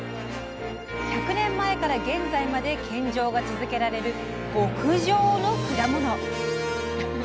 百年前から現在まで献上が続けられる極上の果物。